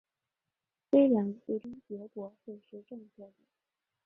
虽然最终结果会是正确的